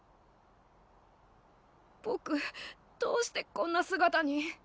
ぼくどうしてこんな姿に？